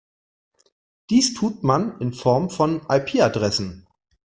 Dies tut man in Form von IP-Adressen.